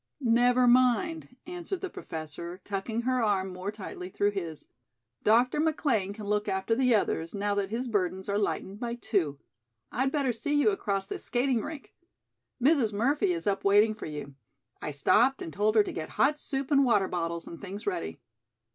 "Never mind," answered the Professor, tucking her arm more tightly through his. "Dr. McLean can look after the others, now that his burdens are lightened by two. I'd better see you across this skating rink. Mrs. Murphy is up waiting for you. I stopped and told her to get hot soup and water bottles and things ready."